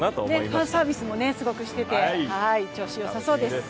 ファンサービスもすごくしてて調子よさそうです。